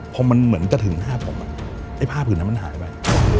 พอมันเหมือนจะถึงหน้าผมไอ้ผ้าผืนนั้นมันหายไป